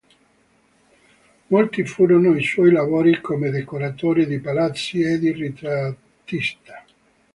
Molti furono i suoi lavori come decoratore di palazzi e di ritrattista.